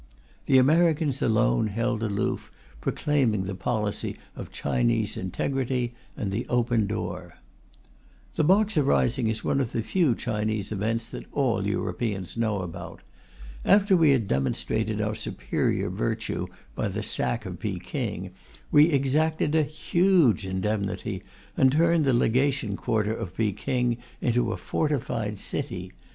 The Americans alone held aloof, proclaiming the policy of Chinese integrity and the Open Door. The Boxer rising is one of the few Chinese events that all Europeans know about. After we had demonstrated our superior virtue by the sack of Peking, we exacted a huge indemnity, and turned the Legation Quarter of Peking into a fortified city.